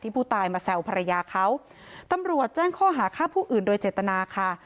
ผู้ตายมาแซวภรรยาเขาตำรวจแจ้งข้อหาฆ่าผู้อื่นโดยเจตนาค่ะ